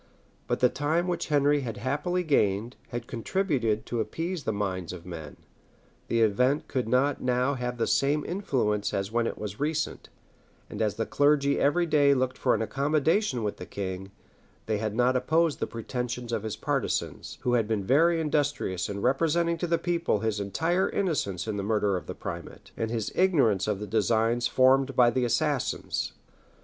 But the time which Henry had happily gained, had contributed to appease the minds of men; the event could not now have the same influence as when it was recent; and as the clergy every day looked for an accommodation with the king, they had not opposed the pretensions of his partisans, who had been very industrious in representing to the people his entire innocence in the murder of the primate, and his ignorance of the designs formed by the assassins.